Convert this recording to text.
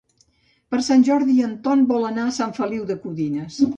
Per Sant Jordi en Ton vol anar a Sant Feliu de Codines.